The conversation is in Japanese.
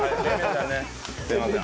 すいません。